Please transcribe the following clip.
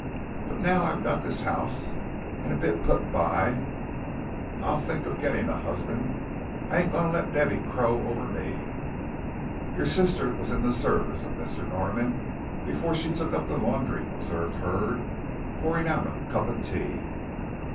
But now I've got this 'ouse, and a bit put by, I'll think of gittin' a 'usband. I ain't a goin' to let Debby crow over me." "Your sister was in the service of Mr. Norman before she took up the laundry," observed Hurd, pouring out a cup of tea.